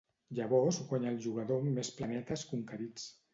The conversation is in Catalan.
Llavors guanya el jugador amb més planetes conquerits.